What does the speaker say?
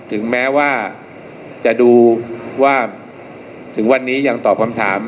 ถึงแม้ว่าจะดูว่าถึงวันนี้ยังตอบคำถาม